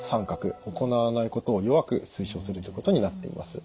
行わないことを弱く推奨するということになっています。